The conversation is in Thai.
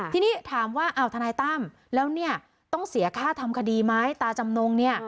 ทีนี้ถามว่าทนายต้ำแล้วต้องเสียค่าทำคดีไหมตาจำนง